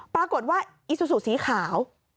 ปรากฏว่าอีซูซูสีขาว